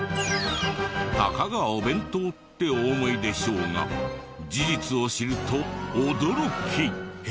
たかがお弁当ってお思いでしょうが事実を知ると驚き！